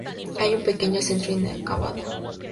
Hay un pequeño centro inacabado.